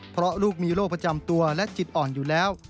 เพราะลูกมีโรคประจำตัวและจิตอ่อนอยู่แล้ว